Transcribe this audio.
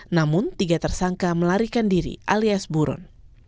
namun tiga tersangka melarikan diri alias buron